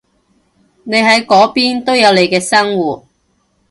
你喺嗰邊都有你嘅生活